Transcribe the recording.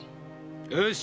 よし。